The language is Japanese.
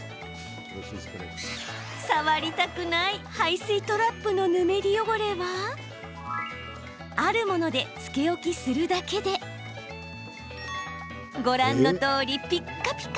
触りたくない排水トラップのヌメリ汚れはあるものでつけ置きするだけでご覧のとおり、ピッカピカ。